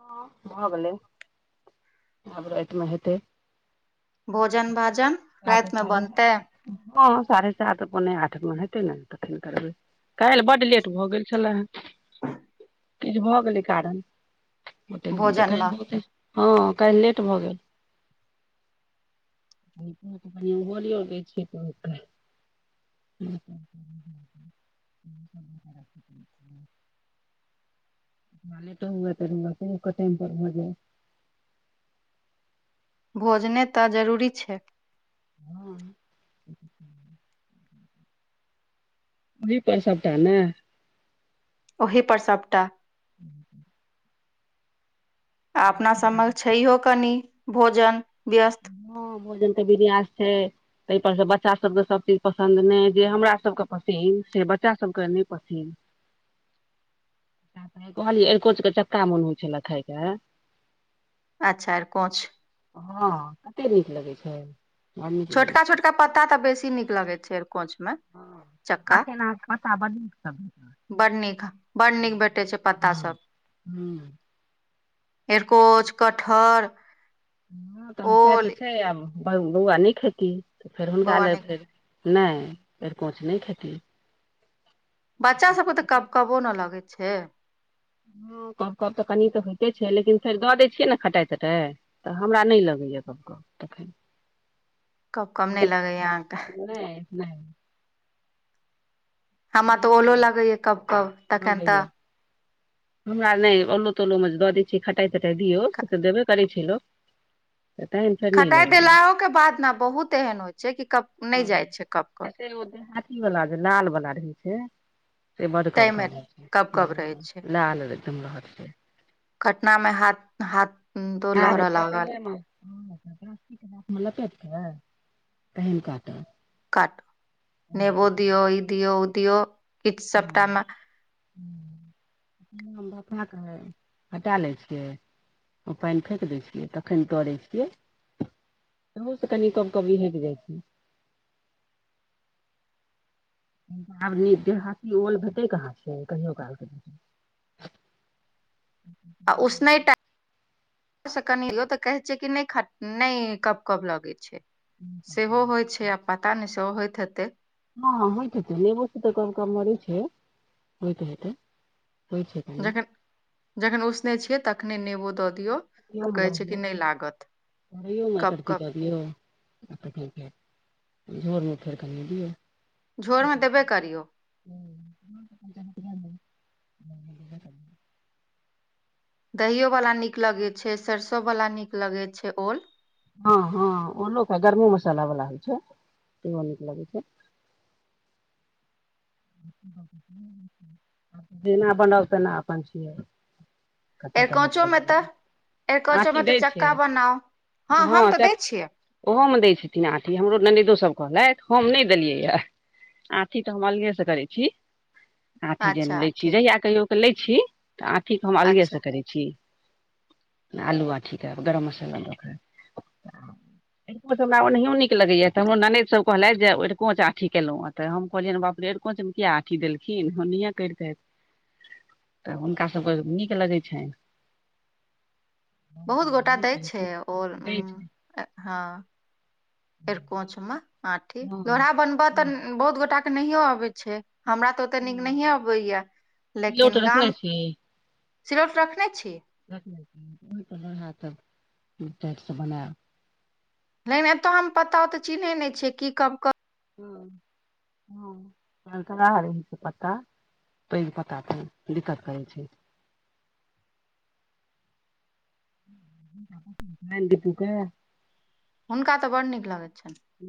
हँ भऽ गेलै आब राईत में हेतै भोजन भाजन सात राईत में साढ़े बनतै हँ साढ़े सात पौने आठ में हेतै ने तखन करबै काईल बड्ड लेट भऽ गेल छलैए किछ भऽ गेलै कारण गैटेक भोजनमे दिन [unintelligible] हँ काल्ह लेट भऽ गेल [inaudible] लओै छै त [inaudible] [inaudible] ने तऽ हए तरू [inaudible] टाइम पर भऽ जाय भोजन तऽ जरूरी छैय हँ ओहि पर सबटा नै ओही पर सबटा हूँ आ अपना सब में छैयहो कनि भोजन व्यस्त हँ भोजन तऽ बिरिआस छै तैय पर सँ बच्चासभके सभचीज पसन्द नय जे हमरासकेँ पसिन से बच्चासभकेँ नय पसिन कहलिय अर्कोंच के चक्का मोन होइ छैला खाय के अच्छा अरकोच हॅं कतेक नीक लगैय छै बड़ नीक लगै छोटका छै छोटका पत्ता तऽ बेसी नीक लगैत छैय एरकोच में हँ आखेना अहाँ के पता बड नीक लगत बड नीक बड नीक भेटै ह हूँ एरकोच कठहर हँ तहन से तऽ छै आब बौआ नहि खेती तऽ फेर हुनका बौआ नहि लग खा नय अरकोच नय खेती बच्चा सबके तऽ कब कबो नै लगै छै हँ कब कब तऽ कनि तऽ होइते छै लेकिन फेर दऽ दै छियै ने खटाइ तटाइ तऽ हमरा नई लगैए कब कब तखेन कबकब नहि नीक बात लगैया अहाँके नई नई हमरा तऽ ओलो लगैय कब कब तखन लगैया तऽ हमरा नई ओलो तोलो मे जे दऽ दै छियै खटाइ तटाइ दियौ से तऽ देबे करै छै लोक [unintelligible] खटाइ देलाहओ के बाद ने बहुत एहन होइ छै कि क हँ हँ से वो देहातीवला जे लाल बला रहै छै से बड कब ताहिमे कब होई कब छै लाल एकदम रहत जे कटना में हाथ हाथ तो लहरऽ लागल [inaudible] लपैट देबैय पहिलका तऽ काट नेबो दियऔ ई दियऔ ओ दियऔ किछ सबटामे [inaudible] हटा लै छियै ओ पैइन फकि दैत छियै तखन तरै छियै तहो से कनि कब कबी हैइट जाइ छै आब देहाती ओल भेटै कहाँ छै कहियो कालकेै आ उसने टा से कनि य तऽ कहे छै कि नय ने कब कब लगे छै सेहो होइ छै आ पता नै सेहो होइत हैते हँ होयत हैते नेबो स तऽ कब कब मरे छै होइ त हेते जखन जखन उसनेय छियै तखने नेबो दऽ दियौ [inaudible] तऽ कहै छै कि नहि लागत एक कब रती कब कर दीयो झोर मे देबे करियौ [inaudible] [inaudible] दहिओवला नीक लगैत छै सरिसोवला नीक लगैत छै ओल हँ हँ ओल गर्मो मसाला वाला होइ छै तैयो नीक लगे छैय जेना बनब तेना अपन छियै [inaudible] एरकचो आँठी मे तऽ दै छै चक्का बनाउ हँ हम तऽ दै छियै ओहो मे दै छथिन आथी हमरो ननदो सब कहलथि हम नय देलियै या आठी तऽ हम करै छी आठी अच्छा लै छी ठीक जहिया कहियो के लै छी तऽ आँखिक हम अलगे से अच्छा करै छी छी आलूआ ठीक अय आब गरम मसाला एरकोंच हमरा ओनहियो नीक लगेये तऽ हमरो ननद सब कहलथि जे ओड़को च अथी केलौं हम कहलियै ने बाप रे कोच मे किये आंठी देलखिन होनहियें करतैथ तऽ हुनका सभके नीक लगै छनि बहुत गोटा दै छै ओर दै छै हँ एरकोंच मे आंठी हँ लोढ़ा बनबऽ तऽ बहुत गोटा नहियो अबै छै हमरा तऽ तऽ नीक नहिये अबैये तिलौट लेकिन रखने गाम छी सरौट रखने छी रखने छी ओइसँ लोरहा तऽ चटसँ बनायब लेकिन एतो हम पता तऽ चिन्है नहि छी की कब कब हँ हँ तऽ रहै छै पता पैघ पत्ता तऽ दिक्कत करै छै गीतुके हुनका तऽ बड़ नीक लगै छै। [unintelligible]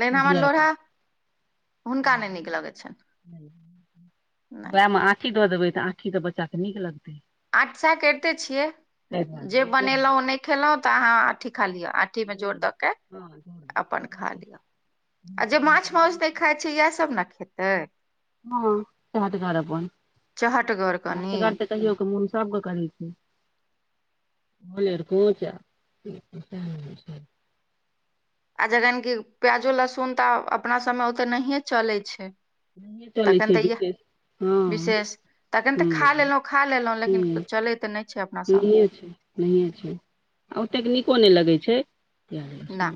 लेकिन हमर लोढ़हा हुनका नहि नीक लगैत छनि नहि वैह म आठ। ठी दऽ देबै तऽ आठी तऽ बच्चाके नीक लगतै। आठ सैह करिते छियै ताहि जे बनेलौं नय खेलौं तऽ अहाँ आठी खा लियो आंठ आठी मे जोर दुआरे दऽ के हँ अपन खा लिअ आ जे माछ माउस नय खाइ छै इएह सभ ने खेतै हँ चहटगर अपन चहटगर कनि चहटगर तऽ कहियो के मोन सबके करै छै ओल अरिकोंच आ जखन की प्याजो लहसुन तऽ अपना सबमे ओते नहिए चलै छै नहिए चलै तखन छै तऽ इएह विशेष हँ विशेष तखन तऽ हँ खा लेलहुँ खा लेलहुँ हुँ लेकिन चलै तऽ नहि छै अपना सभमे नहियें छै नहिए छै आ ओतेक नीको नय लगै छै। ना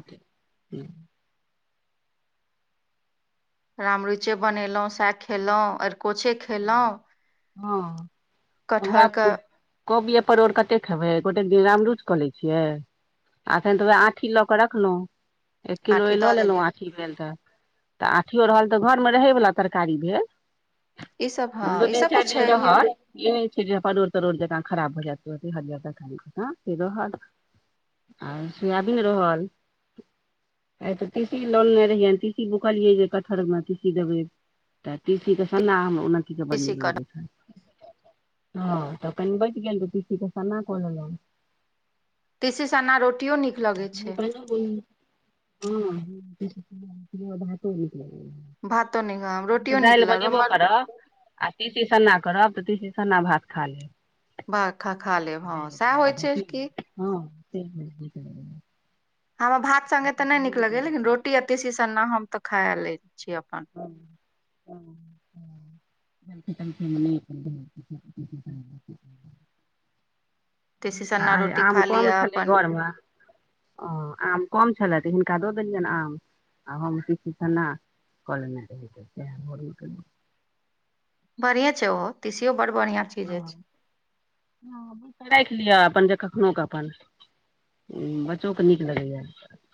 राम रुचि बनेलों सएह खेलौं एरकोंचें खेलौं हँ हमरा कटहरके कोबिये, परोर कते खेबै गोटे दिन रामरुच कऽ लै छियै। आ अखन तऽ वैह आँठी लऽ कऽ रखलौं। एक आठी किलोये लऽ दऽ लेलौं देलियै आठी भेल तऽ तऽ आठियो रहल तऽ घरमे रहै वला तरकारी भेल। ई सब हँ दू ई दिन सब तऽ चाइर दिन छैहे रहल। इ नय छै जे परोल-तरोड़ जेना खराब हो जैत तुरते हरियर तरकारी जकाँ से रहल। आ सुयाबीन रहल। आय तऽ ति सी लानने रहिये ति सी बुकलियै जे कटहर मे ति सी देबै। तऽ ति सी के सन्नाह हमर ननकी के बड्ड नीक कृषि लगै छै। हाँ तऽ कनि बचि गेल तऽ टी सी के सान्ना क लेलौं। ति सी सन्ना रोटियो नीक लगै छै। हूंँ हाँ ति सी सन्ना रोटियो आ भातो मे। भातो नीक तऽ रोटियो नीक दालि लग बनेबो हमर आ ति सी सन्ना भात करब तऽ ती सी सन्ना भात खा लेब। भ खा खा लेब हँ सएह होइ छै कि हँ [unintelligible] [inaudible] हमरा भात सङ्गे तऽ नय नीक लगैये लेकिन रोटी आ ति सी सन्ना हम तऽ खाए लै छी अपन। [inaudible] [inaudible] तीसी तनिटा सन्ना आय रोटी आम खा कम लिअ छलै अपन घर में ओ आम कम छलै त हिनका दऽ देलियन आम आ हम तीसी सना करने रहे तऽ तहां भोरे उठलिये बढ़िये छै ओहो तीसीयो बड़ बढ़िया चीज ऐछ हाँ भुज के राख लिया अपन जे कखनो के अपन हूँ बच्चो के नीक लगैया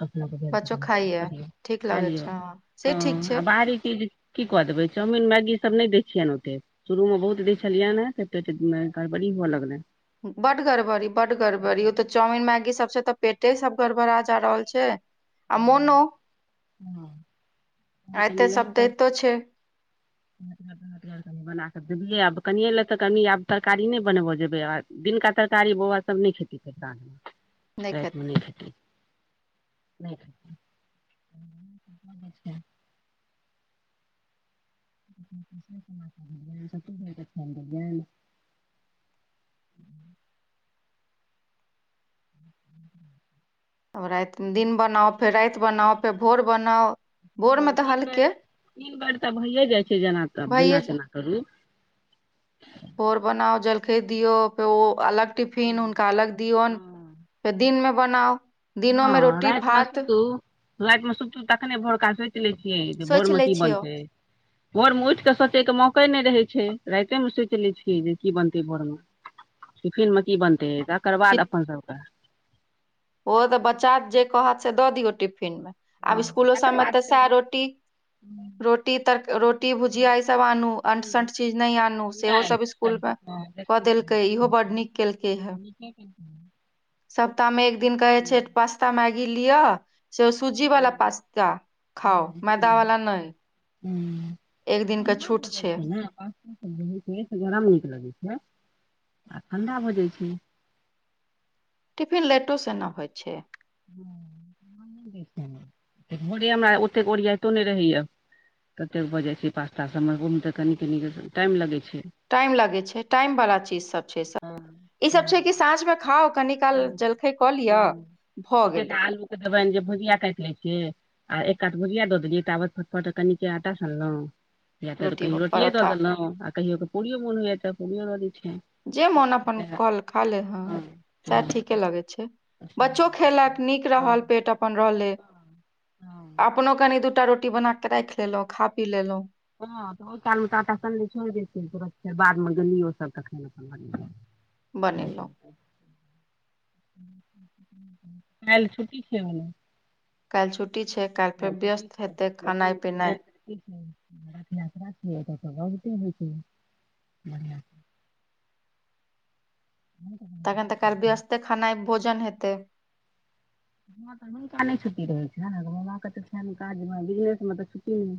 अपना बजार बच्चो खाइया के [inaudible] ठीक खा लगै लिया छै हँ से ठीक हाँ आ छै बाहरी चीज की कऽ देबै चाउमिन मैगी सब ने दै छिये ओते शुरू मे बहुत दै छलियैन कतेक चीज में ऐकर बड़ी हुए लगलै बड गरबरी बड गरबरी ओ तऽ चाउमिन मैगी सबसे तऽ पेटे सब गड़बड़ा जा रहल छैय आ मोनो तहन आ ऐेतऽ शबदेतो छैय [inaudible] तरकारी बना कऽ देबियै आब कनियए ले तऽ कनि आब तरकारी ने बनबो जेबै आब दिनका तरकारी बौआ सब नेय खेते [inaudible] नहि खेतै रातमे नय खेलिए [inaudible] ह [inaudible] तब रात दिन बनाउ फेर रात बनाउ फेर भोर बनाउ भोरमे हँ तऽ तीन बेर हल्के तीन बेर तऽ भइए जाइ छै जेना अब भइए जेना तेना तरू भोर बनाउ जलखै दियो तो अलग टिफिन हुनका अलग दिऔन हँ फेर दिन में बनाउ दिनो में रोटी भात रात में सुतलूं तखने भोरका सोच लै छियै जे सोचि भोरमे लै की छियौ बनतै भोर मे उठ कऽ सोचेके मौके नै रहै छै राते मे सोच लै छियै जे की बनतै भोरमे टिफीन में की बनते तेकर बाद अपन सबके उहो तऽ बच्चा जे कहत से दऽ दियौ टिफिन मे आब हँ स्कुलो तकर सबमे बाद तऽ साएह फेर रोटी रोटी तर रोटी भुजिया ई सब आनू अंट संट चीज नय आनू ठण्डा सेहो सब कुल कऽ देलकै इहो बड नीक केलकै हे [inaudible] सप्ताह में एक दिन कहै छै पास्ता मैगी लिअ से सुजी वलाा पास्ता खाउ मैदा वला नय ह ठंडा भऽ जाए छै न गरम नीक लगैत छै आ ठण्डा भऽ जाइ छै टिफिन लेटो से न होइ छै भोरे हमरा ओतेक ओरियाइतो नय रहैय ततेक भऽ जाए छै पासता सब म ओहूम तऽ कनी कनी टाइम लगैत छै टाइम लगे छै टाइम वाला चीज सब छै सब हँ ई सब छै कि साँझ में खाउ कनि काल जलखैय कऽ लियअ भऽ गेलै [unintelligible] देबनि जे भुजिया काइट लैय के आ एकात भजिया दो देलिए ताबे तऽ फटफट कनिक आटा सनलोओ या तऽ रोटी कहियो रोटीए दऽ परोठा देलौं आ कहियोे पूड़ियो मोन होइए तऽ पूड़ियो दऽ दैत छिय जे मोन अपन कल खा ले हऽ सेह ठीके लगै छै बच्चो खेलक नीक रहल पेट अपन रहले [inaudible] हँ अपनो कनि दु टा रोटी बना कऽ राइख लेलौ खा पी लेलैं हँ तऽ ओइ काल में तऽ आटा सैन कऽ छोड़ दै तुरत फेर बाद में गेली ओ सब तखैन अपन बनबै छी बनेलौ [inaudible] काइल छुटी छै ह काइल छुट्टी छै काइल फेर छुट्टी व्यस्त छै हेते खेनै लेकिन पिनै [unintelligible] [unintelligible] तखन तऽ काल रहै व्यस्ते खनै भोजन हेतै हऽ तऽ हुनका नै छुट्टी रह छैन मामा तऽ छैन काज म बिजनेस म तऽ छुट्टी नै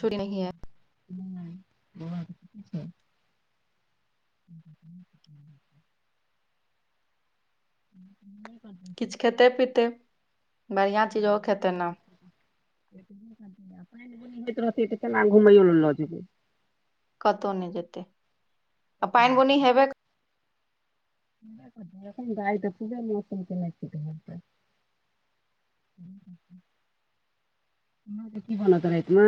छुट्टी नहिये [unintelligible] [unintelligible] किछ खेतै पीतै [inaudible] बढ़ियाँ चीज ओ खेतै न [unintelligible] घुमै लऽ जबै कतौ नै जेतै [inaudible] आ पान बुनी हबै हमरा कथी अ अखन गाय तऽ पूजा मौसम चलै छै घर पर [inaudible] [inaudible] अहाँ कऽ की बनत राइत म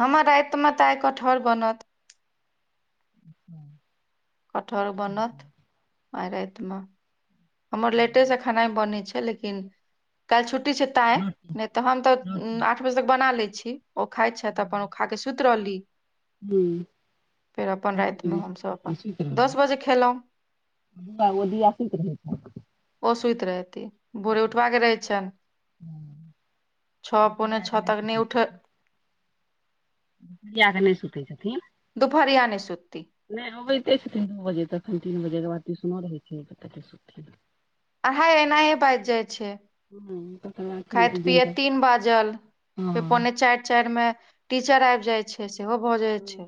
हमर राइत म तऽ आइ कटहर बनत [unintelligible] कटहर बनत [inaudible] आए राइत म हमर लेटे से खनै बनै छै लेकिन [inaudible] काइल छु छुट्टी छै तैय रोटी नै तऽ हम तऽ रोटी आठ बजे तक बना लै छी ओ खै छैथ अपन ओ खा कऽ सुत रहली हूँ [inaudible] फेर अपन अच्छा, राइत में हम सभ अपन सुति दस बजे खेलै तऽ ओ दिया सुत रहै छै ओ सुत रहती छै भोरे उठबाका कऽ रहै छन [inaudible] छ पौने दुपहरिया कऽ छ नहि तक नै सुतै उठ [unintelligible] नै सुतै छथिन दुपहरिया नै सुततै नै अबैते छथिन दू बजे तखन तीन बजे केँ बाद ट्यूशनो रहे [unintelligible] अड़हाइ एनाहे बाइज जाइ छै [unintelligible] खैत एलियनि पियत तऽ तीन बाजल फेर हँ पौने चाइर चाइर में टीचर आइब जाइ छै से सेहो भऽ जाइ छै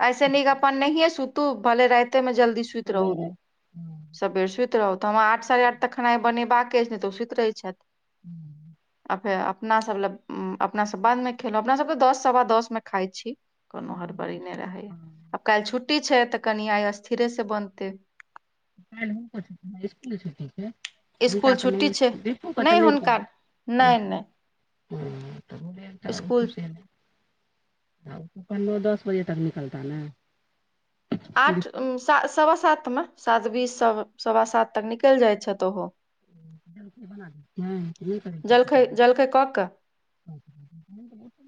[inaudible] ऐसे नीक अपन नहींए सुतू भले राइते में जल्दी सुत रहू सबेरे हँ सबेर सुत रहू तऽ हमरा आठ साढ़े आठ तक खनै बनेबाक ऐछे नै तऽ ओ सुत रहैत छैथ [unintelligible] फेर अपना सब लऽ अपना सब बाद मे खेलों अपना सब तऽ दस सवा दस में खाइ छी कोनो हँ हड़बड़ी नै रहै आब काइल छुट्टी छै तऽ कनि आइ स्थिरे से बनतै काइल हुनको छुटी इसकूल छुटी छै हिनका स्कूल तऽ नय छुट्टी छै दिपु केँ तऽ नहि नय हुनका कहब नहि नहि हँ तऽ बुलेन तऽ स्कूल तु से नय पहिलेओ दस बजे तक निकलता नऽ आठ सा - सवा सातमे सात बीस सब सवा सात तक निकलि जाइ छैथ ओहो हुँ तऽ जलखैय बना दै छियै कि नय करै छैथ जलखै ओहो जलखै कऽ कऽ [unintelligible]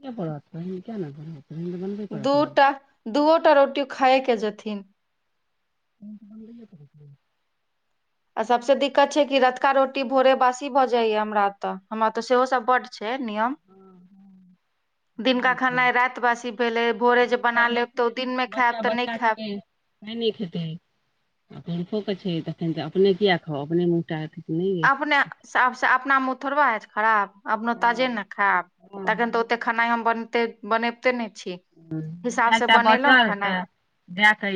पनिर किया नय बनत पनिर बनै दूटा दूओटा रोटी खाए कऽ जेथिन तहन तऽ बनबाये [unintelligible] आ सबसे दिक्कत छै कि रतुका रोटी भोरे बासी भऽ जाइ य हमरा एतऽ हमरा तऽ सेहो सब बड्ड छै नियम हँ - हँ दिनका छै खेनाइ राइत बासी भेलै भोरे जे बना बच्चा नहि लेब तऽ ओ दिनमे खैब तऽ नय खैब नय नऽ खेतै आ पुरुखो कऽ छै तऽ फेत तऽ अपने किया खाउ अपने मुटा केँ तऽ नय अपने साफ सँ अपना मुँह थोड़बा हेत खराब अपो ताजे हँ नऽ खैब हँ तखैन तऽ हँ, ओते खेनाइ हम बनते बनेबिते नय छी दू हिसाब चारि से टा बनेलहुँ बचल खनाइ तऽ दए कऽ